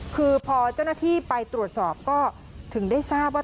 คือพอเจ้าหน้าที่ไปตรวจสอบก็ถึงได้ทราบว่า